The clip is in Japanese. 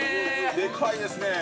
◆でかいですね。